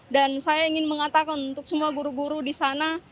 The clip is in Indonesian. dan saya ingin mengatakan untuk semua guru guru di sana